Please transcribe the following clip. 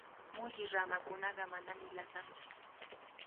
Mulli ramakunaqa manami lasantsu.